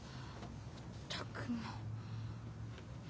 ったくもう。